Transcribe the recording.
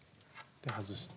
外して。